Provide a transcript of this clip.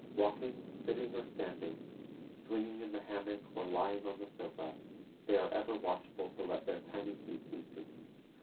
Walking, sitting, or standing, swinging in the hammock or lying on the sofa, they are ever watchful to let their tiny feet be seen.